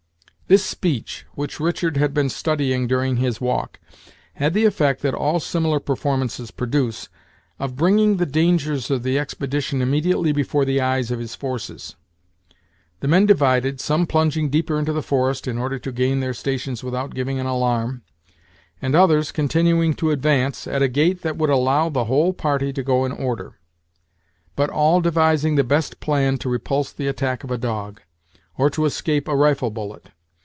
This speech, which Richard had been studying during his walk, had the effect that all similar performances produce, of bringing the dangers of the expedition immediately before the eyes of his forces. The men divided, some plunging deeper into the forest, in order to gain their stations without giving an alarm, and others Continuing to advance, at a gait that would allow the whole party to go in order; but all devising the best plan to repulse the attack of a dog, or to escape a rifle bullet.